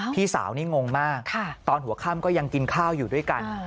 พี่สาวนี่งงมากตอนหัวค่ำก็ยังกินข้าวอยู่ด้วยกัน